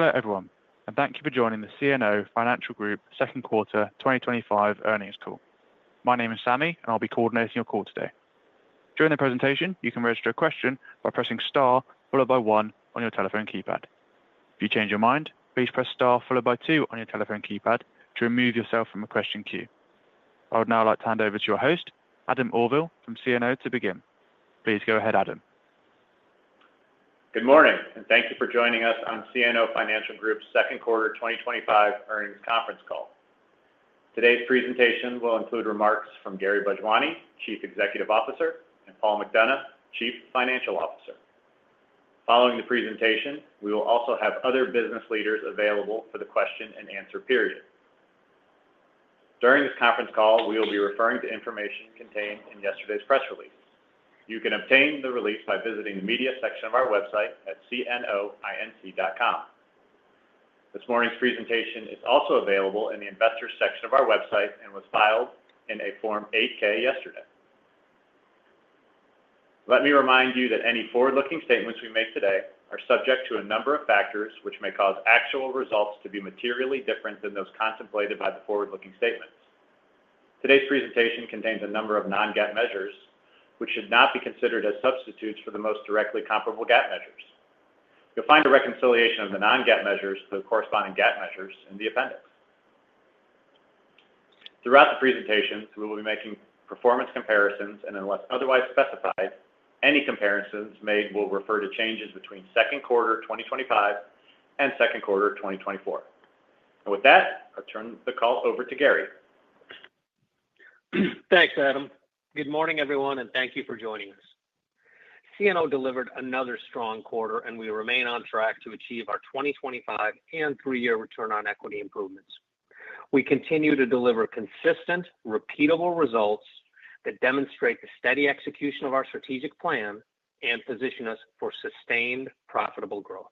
Hello everyone, and thank you for joining the CNO Financial Group second quarter 2025 earnings call. My name is Sammy, and I'll be coordinating your call today. During the presentation, you can register a question by pressing star followed by one on your telephone keypad. If you change your mind, please press star followed by two on your telephone keypad to remove yourself from a question queue. I would now like to hand over to your host, Adam Auvil, from CNO to begin. Please go ahead, Adam. Good morning, and thank you for joining us on CNO Financial Group's second quarter 2025 earnings conference call. Today's presentation will include remarks from Gary Bhojwani, Chief Executive Officer, and Paul McDonough, Chief Financial Officer. Following the presentation, we will also have other business leaders available for the question and answer period. During this conference call, we will be referring to information contained in yesterday's press release. You can obtain the release by visiting the media section of our website at cnoinc.com. This morning's presentation is also available in the investors section of our website and was filed in a Form 8-K yesterday. Let me remind you that any forward-looking statements we make today are subject to a number of factors which may cause actual results to be materially different than those contemplated by the forward-looking statements. Today's presentation contains a number of non-GAAP measures which should not be considered as substitutes for the most directly comparable GAAP measures. You'll find a reconciliation of the non-GAAP measures to the corresponding GAAP measures in the appendix. Throughout the presentations, we will be making performance comparisons, and unless otherwise specified, any comparisons made will refer to changes between second quarter 2025 and second quarter 2024. With that, I'll turn the call over to Gary. Thanks, Adam. Good morning everyone, and thank you for joining us. CNO delivered another strong quarter, and we remain on track to achieve our 2025 and three-year return on equity improvements. We continue to deliver consistent, repeatable results that demonstrate the steady execution of our strategic plan and position us for sustained, profitable growth.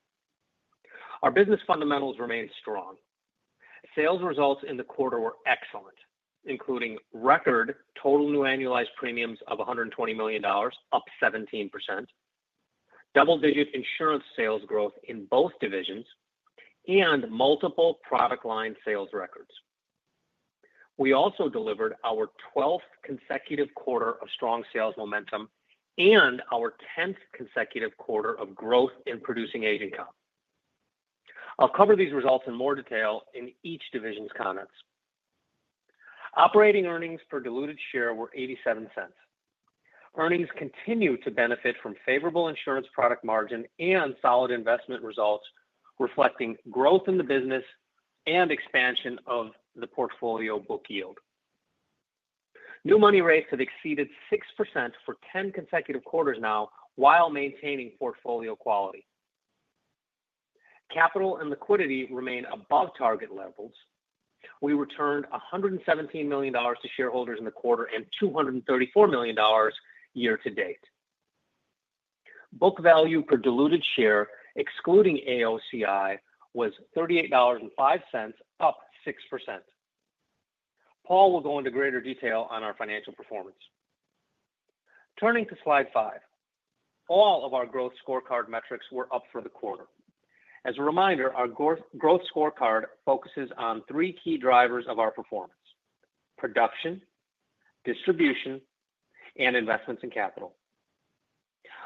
Our business fundamentals remain strong. Sales results in the quarter were excellent, including record total new annualized premiums of $120 million, up 17%, double-digit insurance sales growth in both divisions, and multiple product line sales records. We also delivered our 12th consecutive quarter of strong sales momentum and our 10th consecutive quarter of growth in producing age income. I'll cover these results in more detail in each division's comments. Operating earnings per diluted share were $0.87. Earnings continue to benefit from favorable insurance product margin and solid investment results, reflecting growth in the business and expansion of the portfolio book yield. New money rates have exceeded 6% for 10 consecutive quarters now, while maintaining portfolio quality. Capital and liquidity remain above target levels. We returned $117 million to shareholders in the quarter and $234 million year to date. Book value per diluted share, excluding AOCI, was $38.05, up 6%. Paul will go into greater detail on our financial performance. Turning to slide five, all of our growth scorecard metrics were up for the quarter. As a reminder, our growth scorecard focuses on three key drivers of our performance: production, distribution, and investments in capital.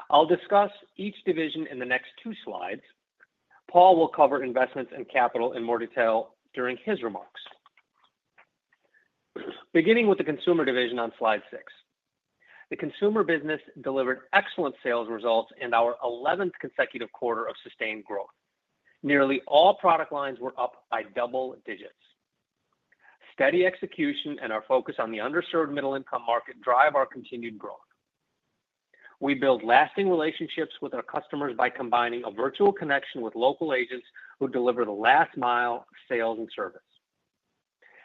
I'll discuss each division in the next two slides. Paul will cover investments in capital in more detail during his remarks. Beginning with the consumer division on slide six, the consumer business delivered excellent sales results in our 11th consecutive quarter of sustained growth. Nearly all product lines were up by double digits. Steady execution and our focus on the underserved middle-income market drive our continued growth. We build lasting relationships with our customers by combining a virtual connection with local agents who deliver the last mile of sales and service.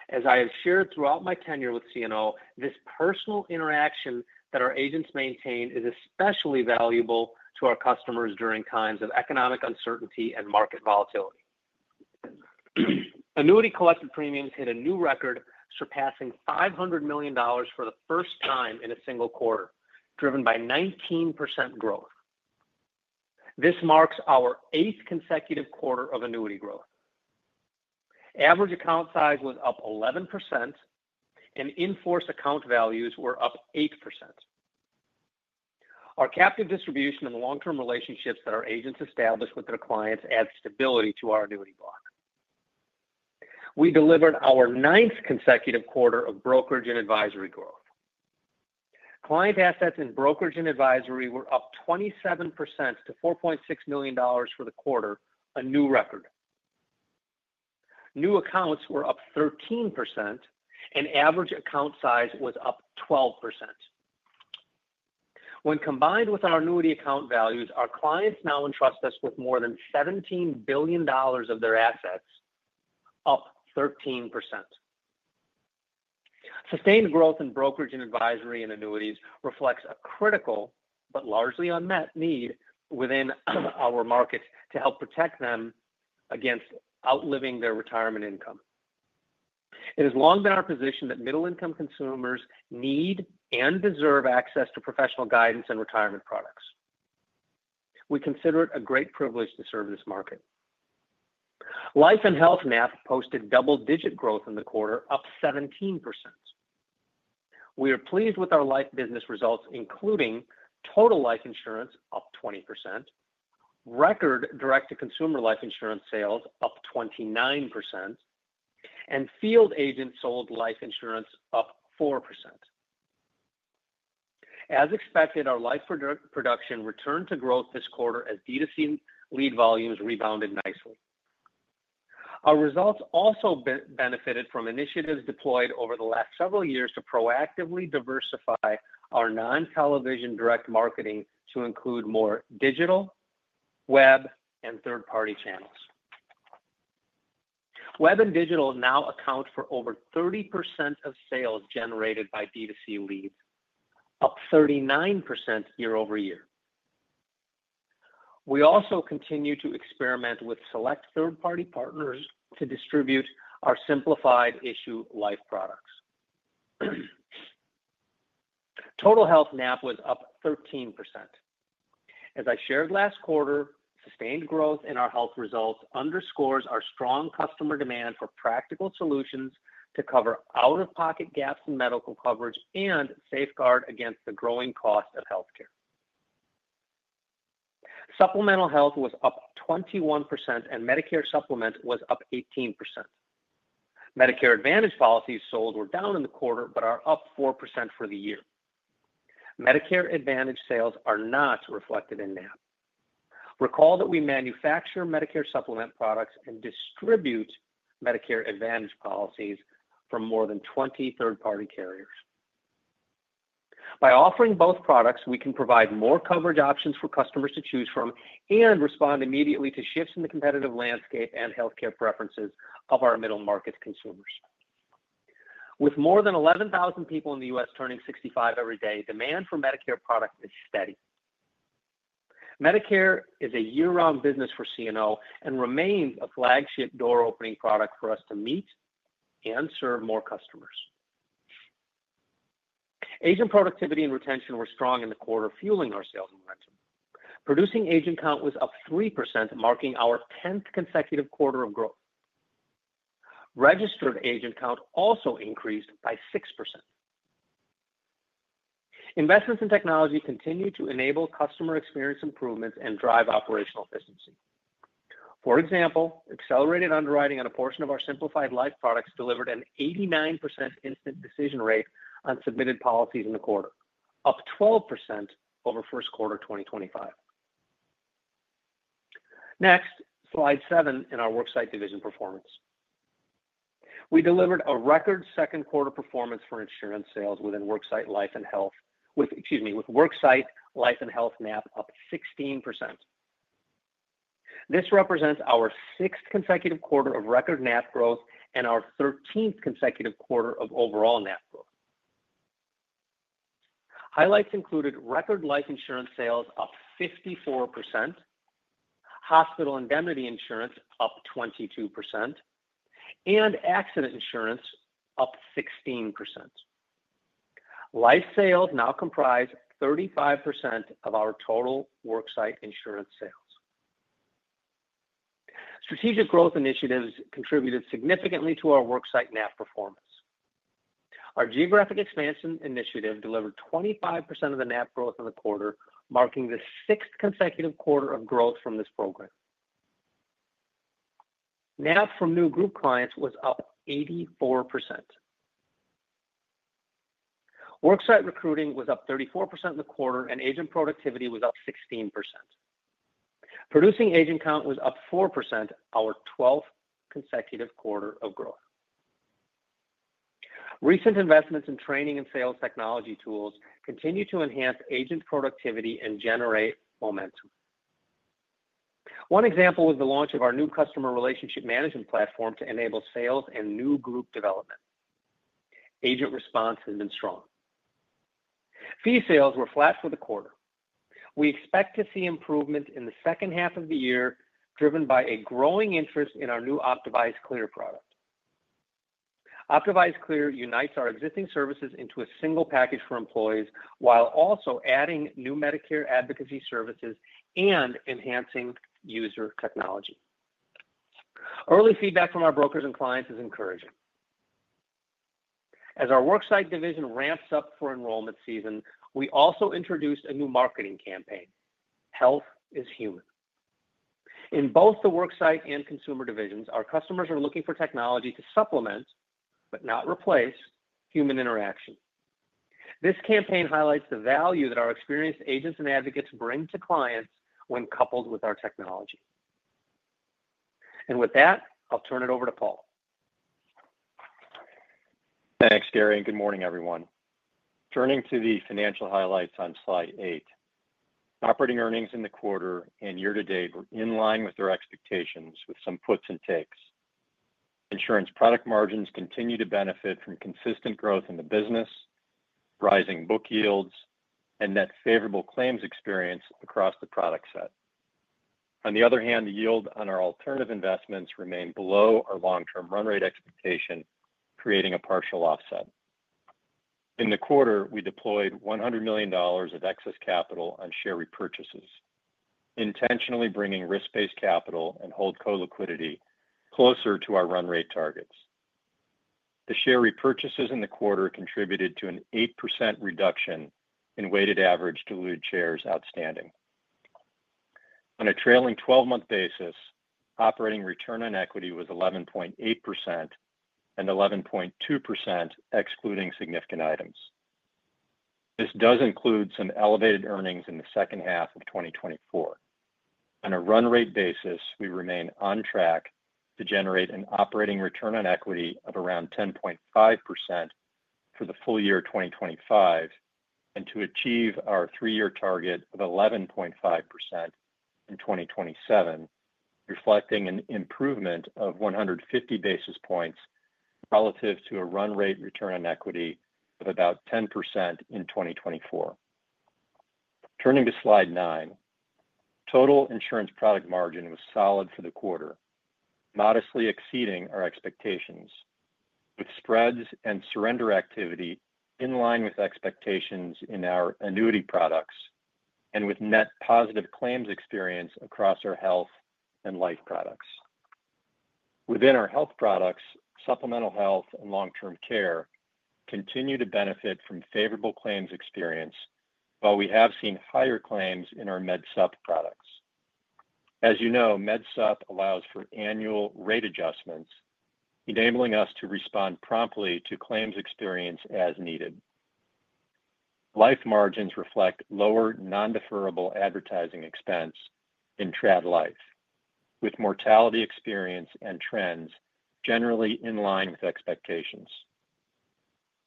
As I have shared throughout my tenure with CNO, this personal interaction that our agents maintain is especially valuable to our customers during times of economic uncertainty and market volatility. Annuity collected premiums hit a new record, surpassing $500 million for the first time in a single quarter, driven by 19% growth. This marks our eighth consecutive quarter of annuity growth. Average account size was up 11%, and inforce account values were up 8%. Our captive distribution and long-term relationships that our agents establish with their clients add stability to our annuity block. We delivered our ninth consecutive quarter of brokerage and advisory growth. Client assets in brokerage and advisory were up 27% to $4.6 million for the quarter, a new record. New accounts were up 13%, and average account size was up 12%. When combined with our annuity account values, our clients now entrust us with more than $17 billion of their assets, up 13%. Sustained growth in brokerage and advisory and annuities reflects a critical but largely unmet need within our markets to help protect them against outliving their retirement income. It has long been our position that middle-income consumers need and deserve access to professional guidance and retirement products. We consider it a great privilege to serve this market. Life and health NAP posted double-digit growth in the quarter, up 17%. We are pleased with our life business results, including total life insurance, up 20%, record direct-to-consumer life insurance sales, up 29%, and field agents sold life insurance, up 4%. As expected, our life production returned to growth this quarter as D2C lead volumes rebounded nicely. Our results also benefited from initiatives deployed over the last several years to proactively diversify our non-television direct marketing to include more digital, web, and third-party channels. Web and digital now account for over 30% of sales generated by D2C leads, up 39% year over year. We also continue to experiment with select third-party partners to distribute our simplified issue life products. Total health NAP was up 13%. As I shared last quarter, sustained growth in our health results underscores our strong customer demand for practical solutions to cover out-of-pocket gaps in medical coverage and safeguard against the growing cost of healthcare. Supplemental health was up 21%, and Medicare supplement was up 18%. Medicare Advantage policies sold were down in the quarter, but are up 4% for the year. Medicare Advantage sales are not reflected in NAP. Recall that we manufacture Medicare supplement products and distribute Medicare Advantage policies from more than 20 third-party carriers. By offering both products, we can provide more coverage options for customers to choose from and respond immediately to shifts in the competitive landscape and healthcare preferences of our middle market consumers. With more than 11,000 people in the U.S. turning 65 every day, demand for Medicare products is steady. Medicare is a year-round business for CNO and remains a flagship door-opening product for us to meet and serve more customers. Agent productivity and retention were strong in the quarter, fueling our sales momentum. Producing agent count was up 3%, marking our 10th consecutive quarter of growth. Registered agent count also increased by 6%. Investments in technology continue to enable customer experience improvements and drive operational efficiency. For example, accelerated underwriting on a portion of our simplified life products delivered an 89% instant decision rate on submitted policies in the quarter, up 12% over first quarter 2023. Next, slide seven in our worksite division performance. We delivered a record second quarter performance for insurance sales within worksite life and health, with worksite life and health NAP up 16%. This represents our sixth consecutive quarter of record NAP growth and our 13th consecutive quarter of overall NAP growth. Highlights included record life insurance sales up 54%, hospital indemnity insurance up 22%, and accident insurance up 16%. Life sales now comprise 35% of our total worksite insurance sales. Strategic growth initiatives contributed significantly to our worksite NAP performance. Our geographic expansion initiative delivered 25% of the NAP growth in the quarter, marking the sixth consecutive quarter of growth from this program. NAP from new group clients was up 84%. Worksite recruiting was up 34% in the quarter, and agent productivity was up 16%. Producing agent count was up 4%, our 12th consecutive quarter of growth. Recent investments in training and sales technology tools continue to enhance agent productivity and generate momentum. One example was the launch of our new customer relationship management platform to enable sales and new group development. Agent response has been strong. Fee sales were flat for the quarter. We expect to see improvements in the second half of the year, driven by a growing interest in our new Optavise Clear product. Optavise Clear unites our existing services into a single package for employees while also adding new Medicare advocacy services and enhancing user technology. Early feedback from our brokers and clients is encouraging. As our worksite division ramps up for enrollment season, we also introduced a new marketing campaign: Health is Human. In both the worksite and consumer divisions, our customers are looking for technology to supplement but not replace human interaction. This campaign highlights the value that our experienced agents and advocates bring to clients when coupled with our technology. With that, I'll turn it over to Paul. Thanks, Gary, and good morning everyone. Turning to the financial highlights on slide eight, operating earnings in the quarter and year to date were in line with their expectations with some puts and takes. Insurance product margins continue to benefit from consistent growth in the business, rising book yields, and that favorable claims experience across the product set. On the other hand, the yield on our alternative investments remained below our long-term run rate expectation, creating a partial offset. In the quarter, we deployed $100 million of excess capital on share repurchases, intentionally bringing risk-based capital and hold co-liquidity closer to our run rate targets. The share repurchases in the quarter contributed to an 8% reduction in weighted average diluted shares outstanding. On a trailing 12-month basis, operating return on equity was 11.8% and 11.2%, excluding significant items. This does include some elevated earnings in the second half of 2024. On a run rate basis, we remain on track to generate an operating return on equity of around 10.5% for the full year 2025 and to achieve our three-year target of 11.5% in 2027, reflecting an improvement of 150 basis points relative to a run rate return on equity of about 10% in 2024. Turning to slide nine, total insurance product margin was solid for the quarter, modestly exceeding our expectations, with spreads and surrender activity in line with expectations in our annuity products and with net positive claims experience across our health and life products. Within our health products, supplemental health and long-term care continue to benefit from favorable claims experience, while we have seen higher claims in our Medicare supplement products. As you know, MedSupp allows for annual rate adjustments, enabling us to respond promptly to claims experience as needed. Life margins reflect lower non-deferable advertising expense in traditional life, with mortality experience and trends generally in line with expectations.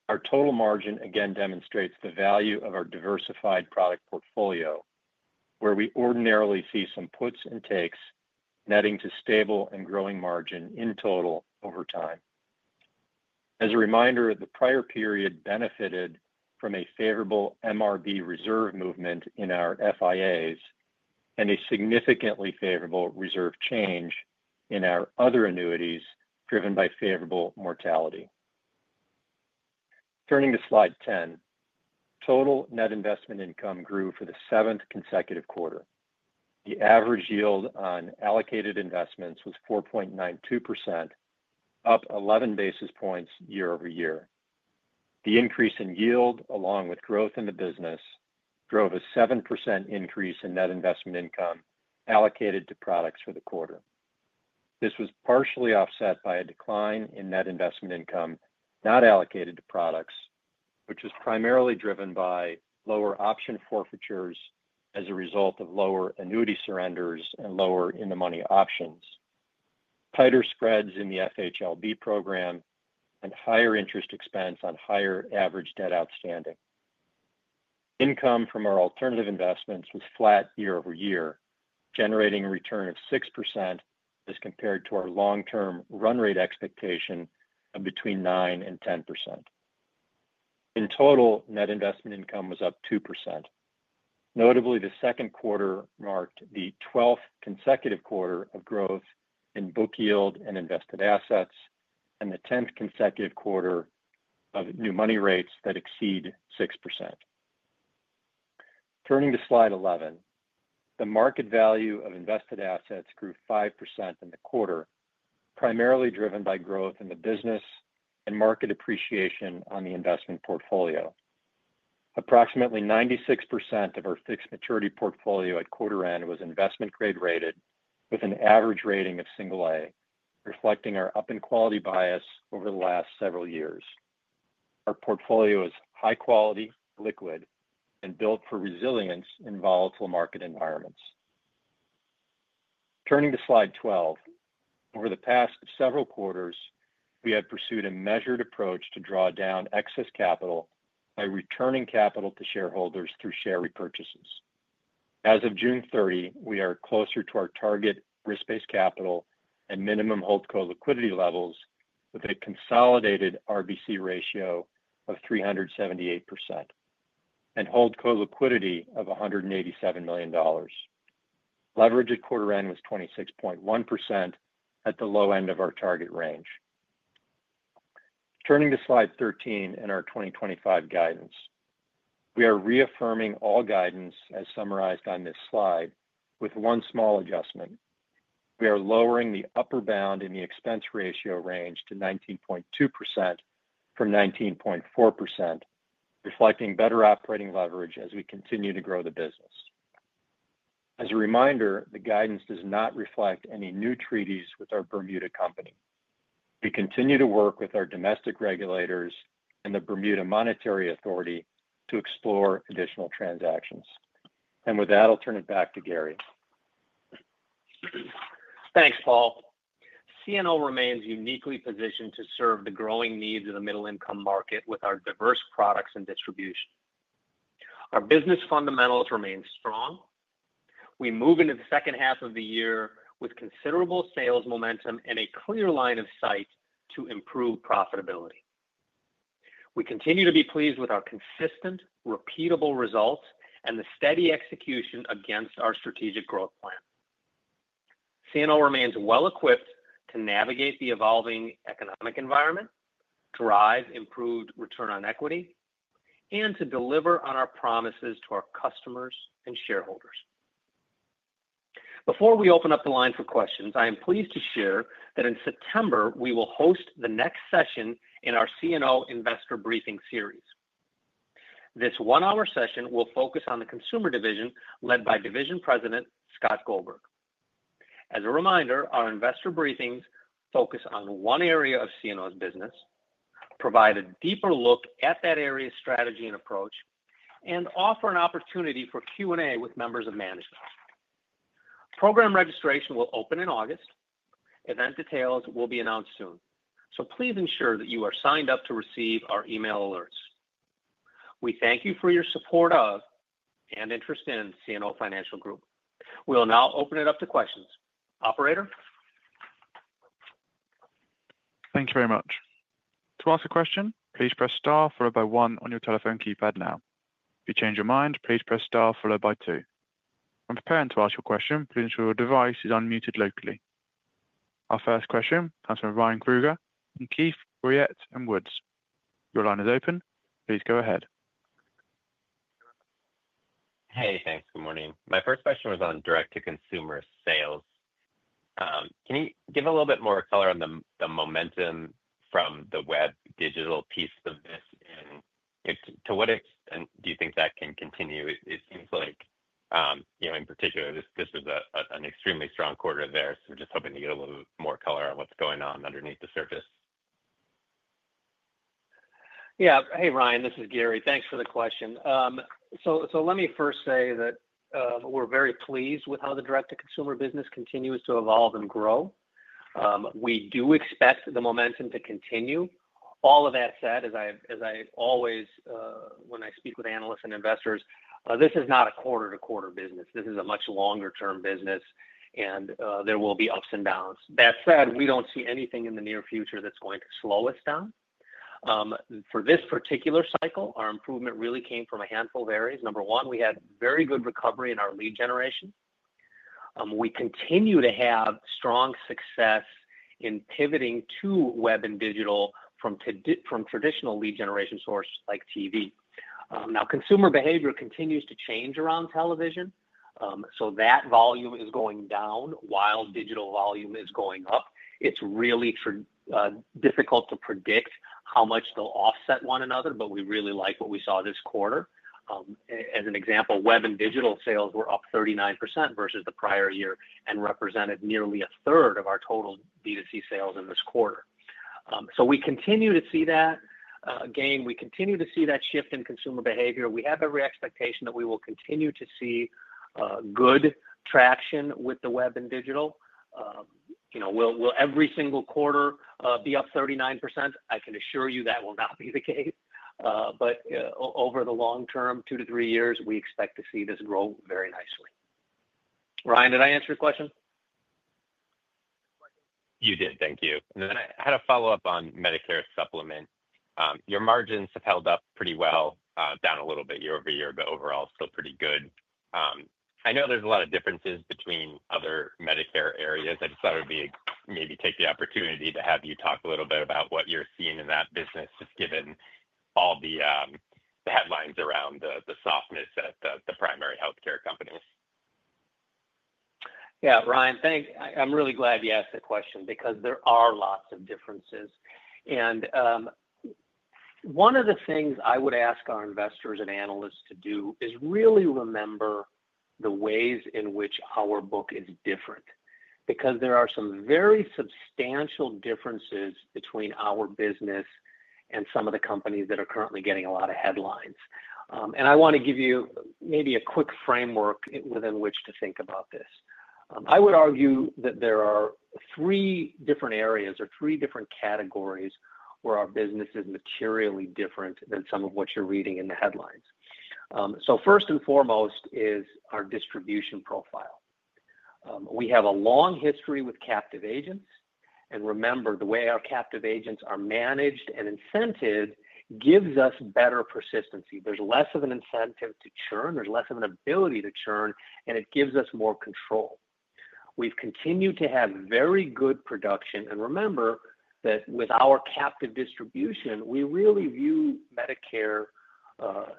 Our total margin again demonstrates the value of our diversified product portfolio, where we ordinarily see some puts and takes, netting to stable and growing margin in total over time. As a reminder, the prior period benefited from a favorable MRB reserve movement in our fixed index annuities and a significantly favorable reserve change in our other annuities driven by favorable mortality. Turning to slide 10, total net investment income grew for the seventh consecutive quarter. The average yield on allocated investments was 4.92%, up 11 basis points year over year. The increase in yield, along with growth in the business, drove a 7% increase in net investment income allocated to products for the quarter. This was partially offset by a decline in net investment income not allocated to products, which is primarily driven by lower option forfeitures as a result of lower annuity surrenders and lower in-the-money options, tighter spreads in the FHLB program, and higher interest expense on higher average debt outstanding. Income from our alternative investments was flat year over year, generating a return of 6% as compared to our long-term run rate expectation of between 9% and 10%. In total, net investment income was up 2%. Notably, the second quarter marked the 12th consecutive quarter of growth in book yield and invested assets, and the 10th consecutive quarter of new money rates that exceed 6%. Turning to slide 11, the market value of invested assets grew 5% in the quarter, primarily driven by growth in the business and market appreciation on the investment portfolio. Approximately 96% of our fixed maturity portfolio at quarter end was investment grade rated, with an average rating of single A, reflecting our up in quality bias over the last several years. Our portfolio is high quality, liquid, and built for resilience in volatile market environments. Turning to slide 12, over the past several quarters, we have pursued a measured approach to draw down excess capital by returning capital to shareholders through share repurchases. As of June 30, we are closer to our target risk-based capital and minimum hold co-liquidity levels with a consolidated RBC ratio of 378% and hold co-liquidity of $187 million. Leverage at quarter end was 26.1% at the low end of our target range. Turning to slide 13 in our 2025 guidance, we are reaffirming all guidance as summarized on this slide with one small adjustment. We are lowering the upper bound in the expense ratio range to 19.2% from 19.4%, reflecting better operating leverage as we continue to grow the business. As a reminder, the guidance does not reflect any new treaties with our Bermuda company. We continue to work with our domestic regulators and the Bermuda Monetary Authority to explore additional transactions. With that, I'll turn it back to Gary. Thanks, Paul. CNO remains uniquely positioned to serve the growing needs of the middle-income market with our diverse products and distribution. Our business fundamentals remain strong. We move into the second half of the year with considerable sales momentum and a clear line of sight to improve profitability. We continue to be pleased with our consistent, repeatable results and the steady execution against our strategic growth plan. CNO remains well-equipped to navigate the evolving economic environment, drive improved return on equity, and to deliver on our promises to our customers and shareholders. Before we open up the line for questions, I am pleased to share that in September, we will host the next session in our CNO Investor Briefing Series. This one-hour session will focus on the consumer division led by Division President Scott Goldberg. As a reminder, our investor briefings focus on one area of CNO's business, provide a deeper look at that area's strategy and approach, and offer an opportunity for Q&A with members of management. Program registration will open in August. Event details will be announced soon, please ensure that you are signed up to receive our email alerts. We thank you for your support of and interest in CNO Financial Group. We'll now open it up to questions. Operator? Thank you very much. To ask a question, please press star followed by one on your telephone keypad now. If you change your mind, please press star followed by two. When preparing to ask your question, please ensure your device is unmuted locally. Our first question comes from Ryan Krueger and Keefe, Bruyette at Woods. Your line is open. Please go ahead. Hey, thanks. Good morning. My first question was on direct-to-consumer sales. Can you give a little bit more color on the momentum from the web digital piece of this? To what extent do you think that can continue? It seems like, in particular, this was an extremely strong quarter there. We're just hoping to get a little more color on what's going on underneath the surface. Yeah. Hey, Ryan. This is Gary. Thanks for the question. Let me first say that we're very pleased with how the direct-to-consumer business continues to evolve and grow. We do expect the momentum to continue. All of that said, as I always, when I speak with analysts and investors, this is not a quarter-to-quarter business. This is a much longer-term business, and there will be ups and downs. That said, we don't see anything in the near future that's going to slow us down. For this particular cycle, our improvement really came from a handful of areas. Number one, we had very good recovery in our lead generation. We continue to have strong success in pivoting to web and digital from traditional lead generation sources like TV. Consumer behavior continues to change around television, so that volume is going down while digital volume is going up. It's really difficult to predict how much they'll offset one another, but we really like what we saw this quarter. As an example, web and digital sales were up 39% versus the prior year and represented nearly 1/3 of our total D2C sales in this quarter. We continue to see that. Again, we continue to see that shift in consumer behavior. We have every expectation that we will continue to see good traction with the web and digital. You know, will every single quarter be up 39%? I can assure you that will not be the case. Over the long term, two to three years, we expect to see this grow very nicely. Ryan, did I answer your question? You did. Thank you. I had a follow-up on Medicare Supplement. Your margins have held up pretty well, down a little bit year over year, but overall still pretty good. I know there's a lot of differences between other Medicare areas. I just thought it would be maybe take the opportunity to have you talk a little bit about what you're seeing in that business, just given all the headlines around the softness at the primary healthcare companies. Yeah, Ryan, thanks. I'm really glad you asked that question because there are lots of differences. One of the things I would ask our investors and analysts to do is really remember the ways in which our book is different because there are some very substantial differences between our business and some of the companies that are currently getting a lot of headlines. I want to give you maybe a quick framework within which to think about this. I would argue that there are three different areas or three different categories where our business is materially different than some of what you're reading in the headlines. First and foremost is our distribution profile. We have a long history with captive agents. Remember, the way our captive agents are managed and incented gives us better persistency. There's less of an incentive to churn. There's less of an ability to churn, and it gives us more control. We've continued to have very good production. Remember that with our captive distribution, we really view Medicare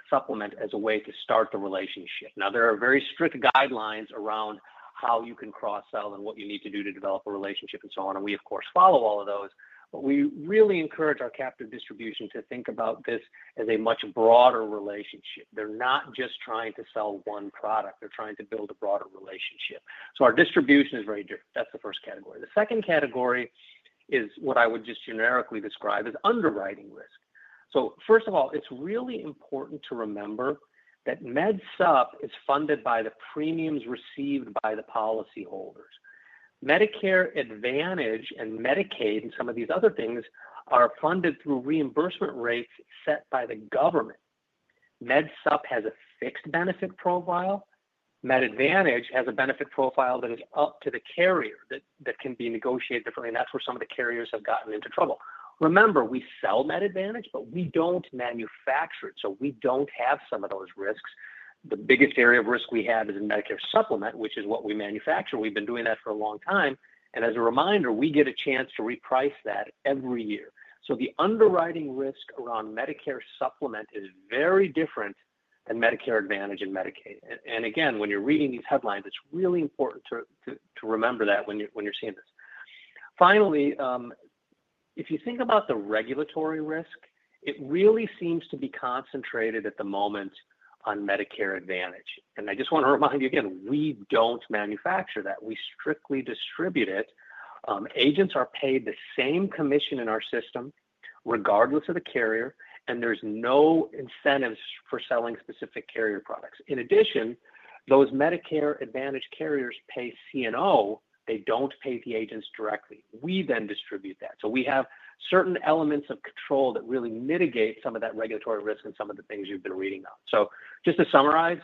Supplement as a way to start the relationship. There are very strict guidelines around how you can cross-sell and what you need to do to develop a relationship and so on. We, of course, follow all of those, but we really encourage our captive distribution to think about this as a much broader relationship. They're not just trying to sell one product. They're trying to build a broader relationship. Our distribution is very different. That's the first category. The second category is what I would just generically describe as underwriting risk. First of all, it's really important to remember that MedSupp is funded by the premiums received by the policyholders. Medicare Advantage and Medicaid and some of these other things are funded through reimbursement rates set by the government. MedSupp has a fixed benefit profile. Med Advantage has a benefit profile that is up to the carrier that can be negotiated differently. That's where some of the carriers have gotten into trouble. Remember, we sell Med Advantage, but we don't manufacture it. We don't have some of those risks. The biggest area of risk we have is in Medicare Supplement, which is what we manufacture. We've been doing that for a long time. As a reminder, we get a chance to reprice that every year. The underwriting risk around Medicare Supplement is very different than Medicare Advantage and Medicaid. When you're reading these headlines, it's really important to remember that when you're seeing this. Finally, if you think about the regulatory risk, it really seems to be concentrated at the moment on Medicare Advantage. I just want to remind you again, we don't manufacture that. We strictly distribute it. Agents are paid the same commission in our system, regardless of the carrier, and there's no incentives for selling specific carrier products. In addition, those Medicare Advantage carriers pay CNO. They don't pay the agents directly. We then distribute that. We have certain elements of control that really mitigate some of that regulatory risk and some of the things you've been reading on. Just to summarize,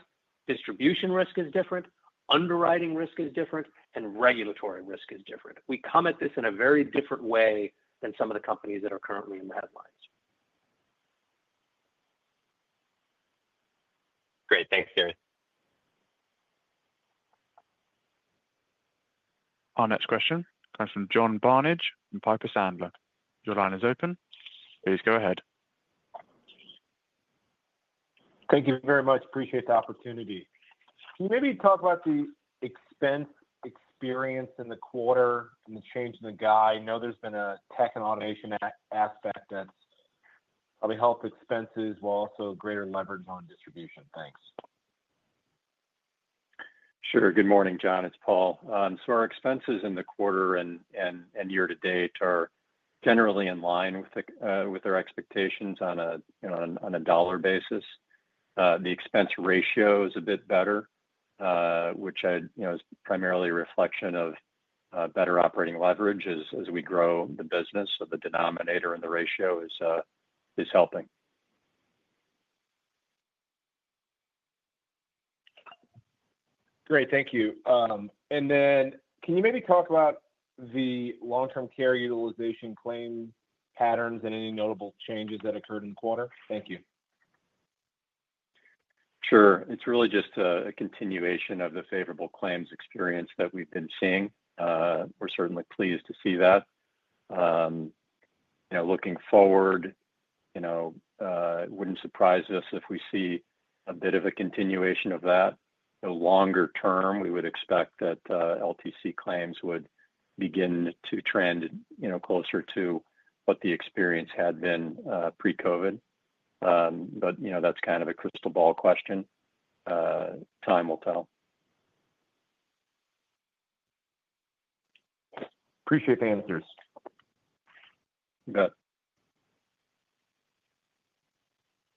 distribution risk is different, underwriting risk is different, and regulatory risk is different. We come at this in a very different way than some of the companies that are currently in the headlines. Great. Thanks, Gary. Our next question comes from John Barnidge at Piper Sandler. Your line is open. Please go ahead. Thank you very much. Appreciate the opportunity. Can you maybe talk about the expense experience in the quarter and the change in the guy? I know there's been a tech and automation aspect that's probably helped expenses while also greater leverage on distribution. Thanks. Sure. Good morning, John. It's Paul. Our expenses in the quarter and year to date are generally in line with our expectations on a dollar basis. The expense ratio is a bit better, which is primarily a reflection of better operating leverage as we grow the business. The denominator in the ratio is helping. Great. Thank you. Can you maybe talk about the long-term care utilization claim patterns and any notable changes that occurred in the quarter? Thank you. Sure. It's really just a continuation of the favorable claims experience that we've been seeing. We're certainly pleased to see that. Looking forward, it wouldn't surprise us if we see a bit of a continuation of that. In the longer term, we would expect that LTC claims would begin to trend closer to what the experience had been pre-COVID. That's kind of a crystal ball question. Time will tell. Appreciate the answers. You bet.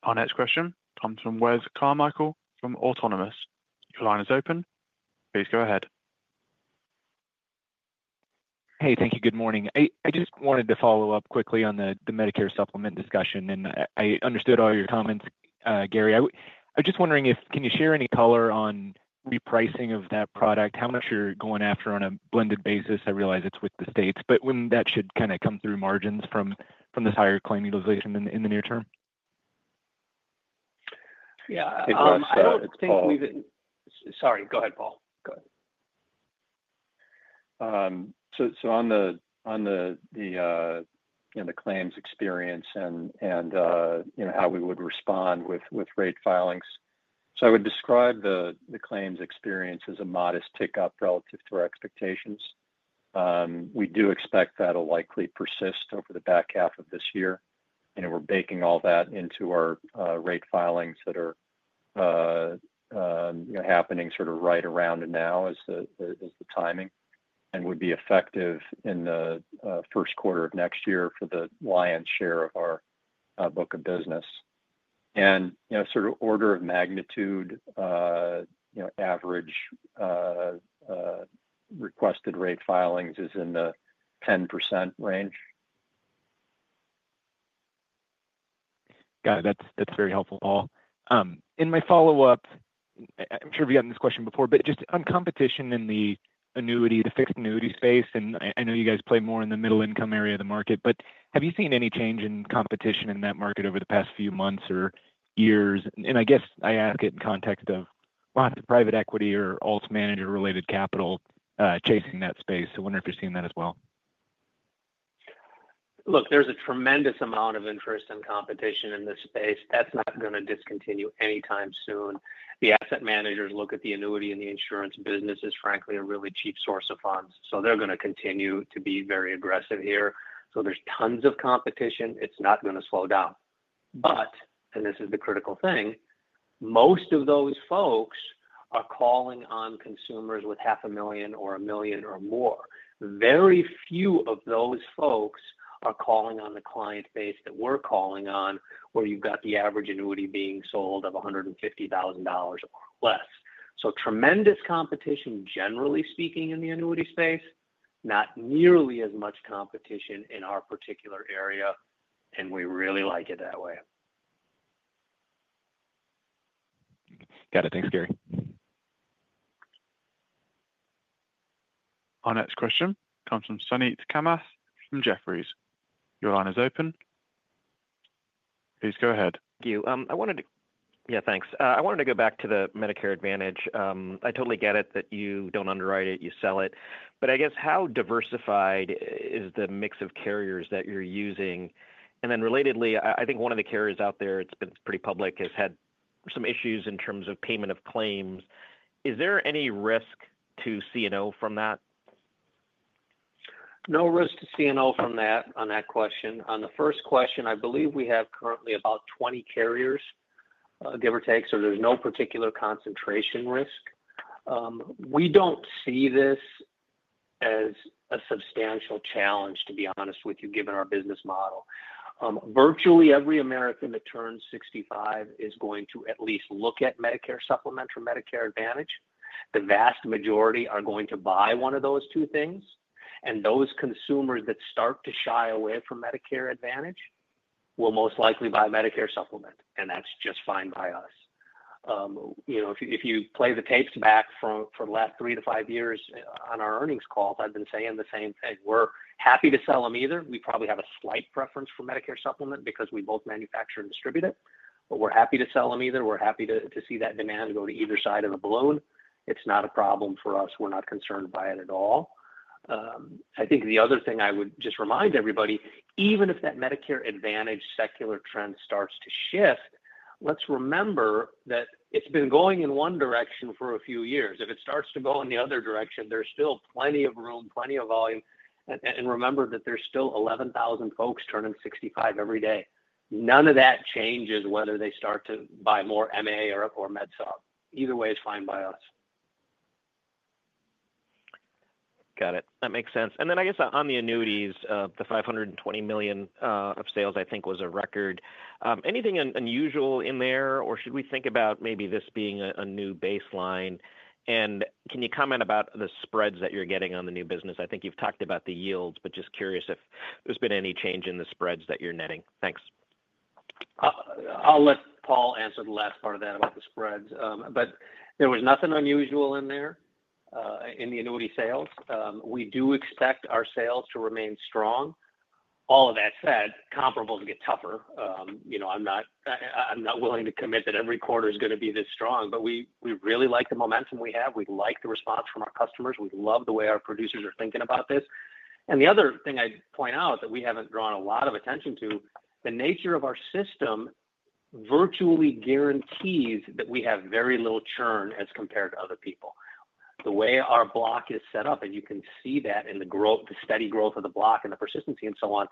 Our next question comes from Wes Carmichael from Autonomous. Your line is open. Please go ahead. Thank you. Good morning. I just wanted to follow up quickly on the Medicare Supplement discussion. I understood all your comments, Gary. I was just wondering if you can share any color on repricing of that product, how much you're going after on a blended basis. I realize it's with the states, but when that should kind of come through margins from this higher claim utilization in the near term? Sorry, go ahead, Paul. Go ahead. On the claims experience and how we would respond with rate filings, I would describe the claims experience as a modest tick up relative to our expectations. We do expect that will likely persist over the back half of this year. We're baking all that into our rate filings that are happening right around now as the timing and would be effective in the first quarter of next year for the lion's share of our book of business. Sort of order of magnitude, average requested rate filings is in the 10% range. Got it. That's very helpful, Paul. In my follow-up, I'm sure we've gotten this question before, just on competition in the annuity, the fixed annuity space. I know you guys play more in the middle-income area of the market, but have you seen any change in competition in that market over the past few months or years? I guess I ask it in context of lots of private equity or alt-manager-related capital chasing that space. I wonder if you're seeing that as well. Look, there's a tremendous amount of interest and competition in this space. That's not going to discontinue anytime soon. The asset managers look at the annuity and the insurance businesses, frankly, as a really cheap source of funds. They're going to continue to be very aggressive here. There's tons of competition. It's not going to slow down. This is the critical thing: most of those folks are calling on consumers with $500,000 or $1 million or more. Very few of those folks are calling on the client base that we're calling on, where you've got the average annuity being sold of $150,000 or less. There's tremendous competition, generally speaking, in the annuity space, not nearly as much competition in our particular area, and we really like it that way. Got it. Thanks, Gary. Our next question comes from Suneet Kamath from Jefferies. Your line is open. Please go ahead. Thank you. I wanted to go back to the Medicare Advantage. I totally get it that you don't underwrite it. You sell it. I guess how diversified is the mix of carriers that you're using? Relatedly, I think one of the carriers out there, it's been pretty public, has had some issues in terms of payment of claims. Is there any risk to CNO from that? No risk to CNO from that on that question. On the first question, I believe we have currently about 20 carriers, give or take, so there's no particular concentration risk. We don't see this as a substantial challenge, to be honest with you, given our business model. Virtually every American that turns 65 is going to at least look at Medicare Supplement or Medicare Advantage. The vast majority are going to buy one of those two things. Those consumers that start to shy away from Medicare Advantage will most likely buy Medicare Supplement, and that's just fine by us. If you play the tapes back from the last three to five years on our earnings calls, I've been saying the same thing. We're happy to sell them either. We probably have a slight preference for Medicare Supplement because we both manufacture and distribute it. We're happy to sell them either. We're happy to see that demand go to either side of the balloon. It's not a problem for us. We're not concerned by it at all. I think the other thing I would just remind everybody, even if that Medicare Advantage secular trend starts to shift, let's remember that it's been going in one direction for a few years. If it starts to go in the other direction, there's still plenty of room, plenty of volume. Remember that there's still 11,000 folks turning 65 every day. None of that changes whether they start to buy more MA or MedSupp. Either way, it's fine by us. Got it. That makes sense. I guess on the annuities, the $520 million of sales, I think, was a record. Anything unusual in there, or should we think about maybe this being a new baseline? Can you comment about the spreads that you're getting on the new business? I think you've talked about the yields, but just curious if there's been any change in the spreads that you're netting. Thanks. I'll let Paul answer the last part of that about the spreads. There was nothing unusual in there, in the annuity sales. We do expect our sales to remain strong. All of that said, comparables get tougher. I'm not willing to commit that every quarter is going to be this strong, but we really like the momentum we have. We like the response from our customers. We love the way our producers are thinking about this. The other thing I'd point out that we haven't drawn a lot of attention to, the nature of our system virtually guarantees that we have very little churn as compared to other people. The way our block is set up, and you can see that in the steady growth of the block and the persistency and so on.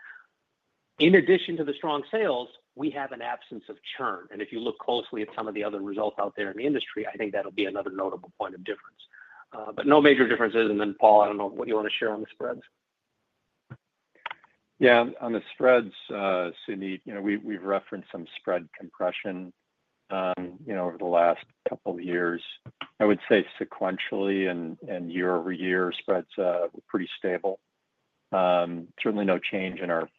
In addition to the strong sales, we have an absence of churn. If you look closely at some of the other results out there in the industry, I think that'll be another notable point of difference. No major differences. Paul, I don't know what you want to share on the spreads. Yeah. On the spreads, Suneet, we've referenced some spread compression over the last couple of years. I would say sequentially and year over year, spreads were pretty stable. Certainly no change in our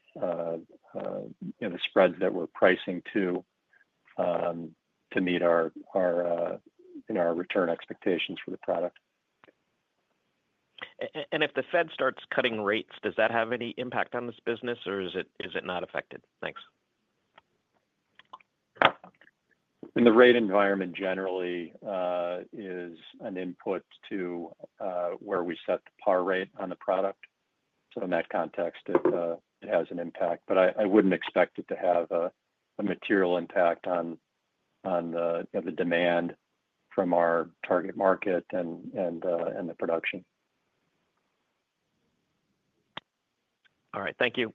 spreads that we're pricing to meet our return expectations for the product. If the Fed starts cutting rates, does that have any impact on this business, or is it not affected? Thanks. In the rate environment, generally, it is an input to where we set the par rate on the product. In that context, it has an impact. I wouldn't expect it to have a material impact on the demand from our target market and the production. All right. Thank you.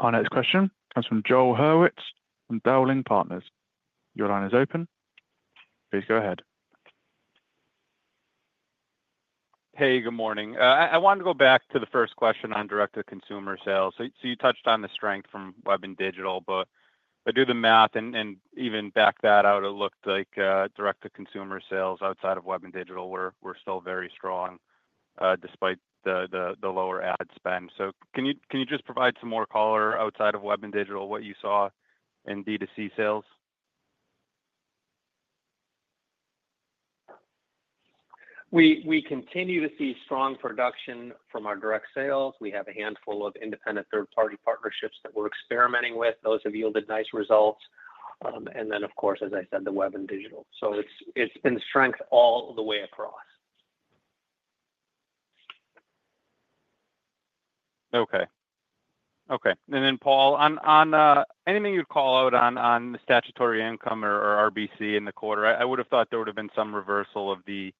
Our next question comes from Joel Hurwitz from Dowling Partners. Your line is open. Please go ahead. Hey, good morning. I wanted to go back to the first question on direct-to-consumer sales. You touched on the strength from web and digital, but I do the math and even back that out, it looked like direct-to-consumer sales outside of web and digital were still very strong despite the lower ad spend. Can you just provide some more color outside of web and digital what you saw in D2C sales? We continue to see strong production from our direct sales. We have a handful of independent third-party partnerships that we're experimenting with. Those have yielded nice results. As I said, the web and digital have been strength all the way across. Okay. Paul, on anything you'd call out on the statutory income or RBC in the quarter, I would have thought there would have been some reversal of the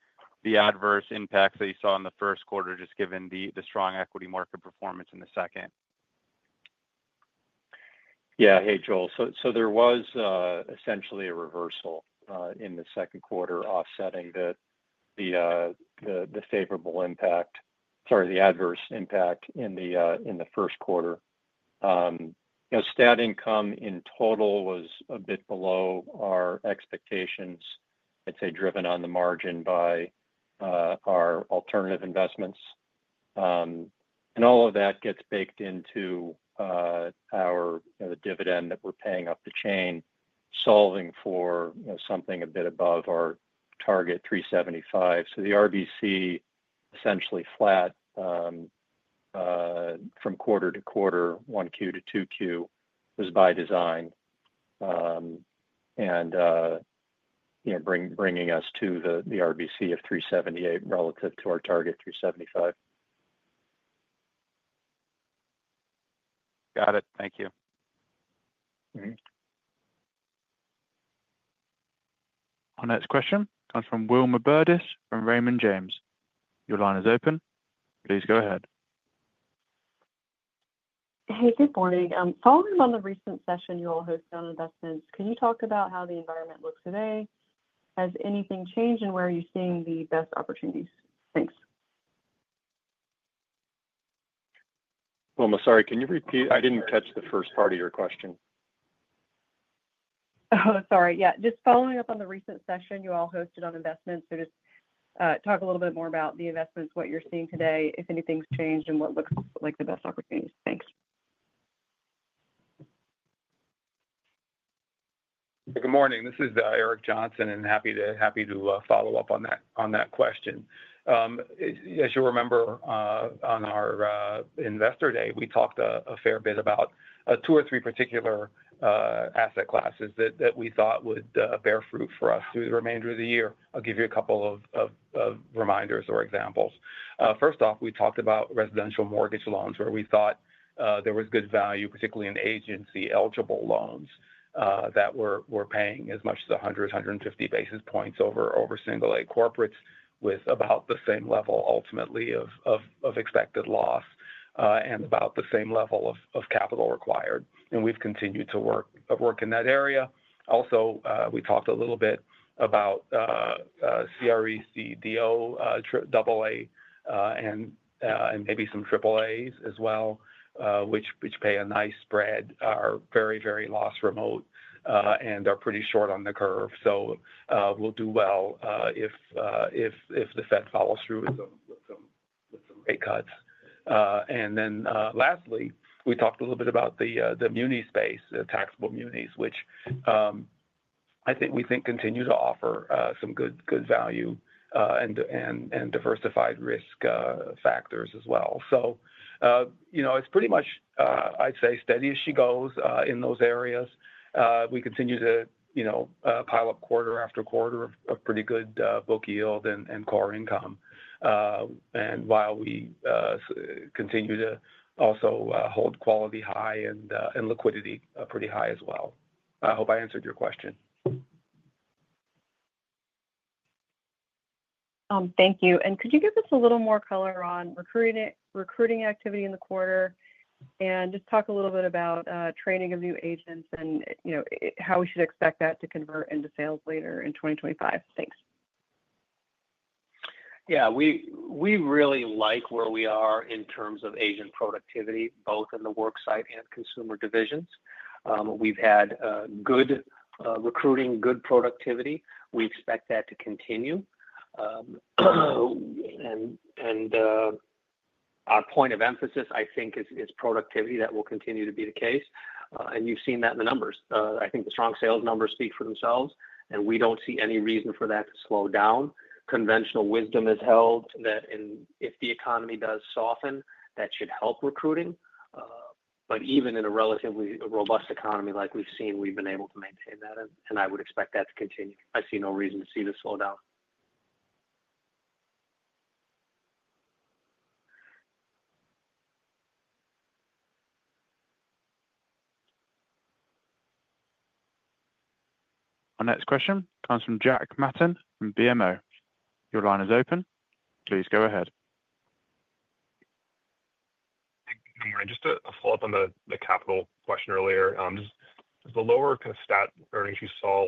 adverse impacts that you saw in the first quarter, just given the strong equity market performance in the second. Yeah. Hey, Joel. There was essentially a reversal in the second quarter, offsetting the adverse impact in the first quarter. Stat income in total was a bit below our expectations, I'd say driven on the margin by our alternative investments. All of that gets baked into our dividend that we're paying up the chain, solving for something a bit above our target, 375%. The RBC, essentially flat from quarter to quarter, 1Q to 2Q, was by design and bringing us to the RBC of 378% relative to our target, 375%. Got it. Thank you. Our next question comes from Wilma Burdis from Raymond James. Your line is open. Please go ahead. Hey, good morning. Following up on the recent session you all hosted on investments, can you talk about how the environment looks today? Has anything changed, and where are you seeing the best opportunities? Thanks. Wilma, I'm sorry. Can you repeat? I didn't catch the first part of your question. Sorry. Just following up on the recent session you all hosted on investments. Just talk a little bit more about the investments, what you're seeing today, if anything's changed, and what looks like the best opportunities. Thanks. Good morning. This is Eric Johnson, and happy to follow up on that question. As you remember, on our investor day, we talked a fair bit about two or three particular asset classes that we thought would bear fruit for us through the remainder of the year. I'll give you a couple of reminders or examples. First off, we talked about residential mortgage loans, where we thought there was good value, particularly in agency-eligible loans that were paying as much as 100 basis points, 150 basis points over Single-A corporates with about the same level, ultimately, of expected loss and about the same level of capital required. We have continued to work in that area. Also, we talked a little bit about CREC, DO, AA, and maybe some AAAs as well, which pay a nice spread, are very, very loss-remote, and are pretty short on the curve. We will do well if the Fed follows through with some rate cuts. Lastly, we talked a little bit about the muni space, the taxable munis, which I think we think continue to offer some good value and diversified risk factors as well. It's pretty much, I'd say, steady as she goes in those areas. We continue to pile up quarter after quarter of pretty good book yield and core income, while we continue to also hold quality high and liquidity pretty high as well. I hope I answered your question. Thank you. Could you give us a little more color on recruiting activity in the quarter and just talk a little bit about training of new agents and how we should expect that to convert into sales later in 2025? Thanks. We really like where we are in terms of agent productivity, both in the worksite and consumer divisions. We've had good recruiting, good productivity. We expect that to continue. Our point of emphasis, I think, is productivity. That will continue to be the case. You've seen that in the numbers. I think the strong sales numbers speak for themselves, and we don't see any reason for that to slow down. Conventional wisdom has held that if the economy does soften, that should help recruiting. Even in a relatively robust economy like we've seen, we've been able to maintain that, and I would expect that to continue. I see no reason to see this slow down. Our next question comes from Jack Matten from BMO. Your line is open. Please go ahead. Thank you. Good morning. Just a follow-up on the capital question earlier. Does the lower kind of stat earnings you saw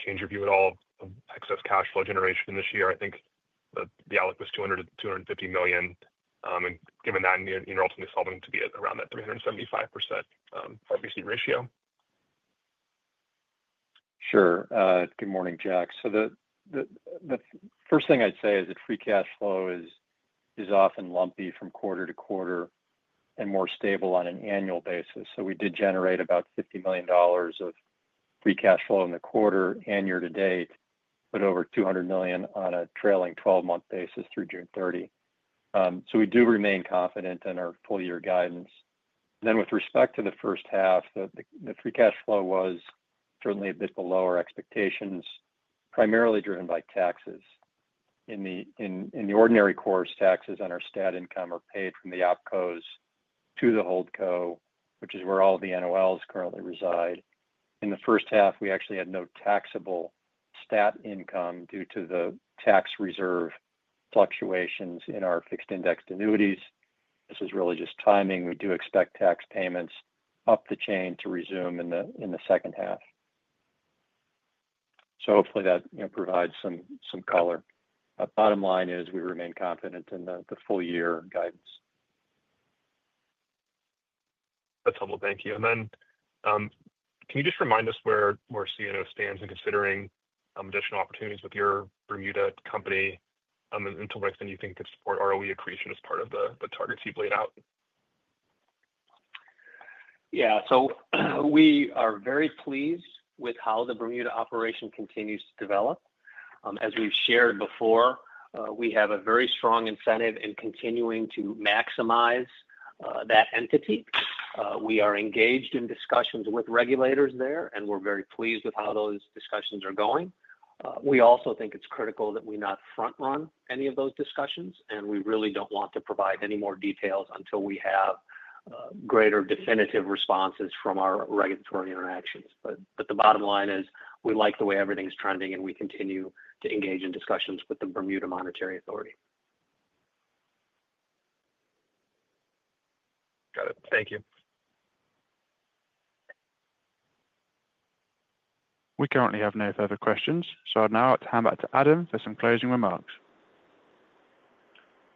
change your view at all of excess cash flow generation in this year? I think the outlook was $250 million. Given that, you're ultimately solving to be around that 375% RBC ratio. Sure. Good morning, Jack. The first thing I'd say is that free cash flow is often lumpy from quarter to quarter and more stable on an annual basis. We did generate about $50 million of free cash flow in the quarter and year to date, but over $200 million on a trailing 12-month basis through June 30. We do remain confident in our full-year guidance. With respect to the first half, the free cash flow was certainly a bit below our expectations, primarily driven by taxes. In the ordinary course, taxes on our stat income are paid from the OpCos to the HoldCo, which is where all the NOLs currently reside. In the first half, we actually had no taxable stat income due to the tax reserve fluctuations in our fixed indexed annuities. This is really just timing. We do expect tax payments up the chain to resume in the second half. Hopefully, that provides some color. Bottom line is we remain confident in the full-year guidance. That's helpful. Thank you. Can you just remind us where CNO stands in considering additional opportunities with your Bermuda company? Until when do you think it's for ROE accretion as part of the targets you've laid out? We are very pleased with how the Bermuda operation continues to develop. As we've shared before, we have a very strong incentive in continuing to maximize that entity. We are engaged in discussions with regulators there, and we're very pleased with how those discussions are going. We also think it's critical that we not front-run any of those discussions, and we really don't want to provide any more details until we have greater definitive responses from our regulatory interactions. The bottom line is we like the way everything's trending, and we continue to engage in discussions with the Bermuda Monetary Authority. Got it. Thank you. We currently have no further questions. Now it's hand back to Adam for some closing remarks.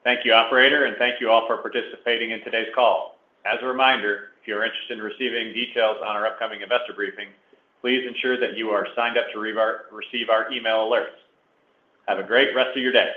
Thank you, Operator, and thank you all for participating in today's call. As a reminder, if you're interested in receiving details on our upcoming investor briefing, please ensure that you are signed up to receive our email alerts. Have a great rest of your day.